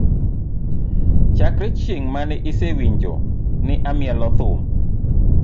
Chakre ching mane isewinjo ni amielo thum?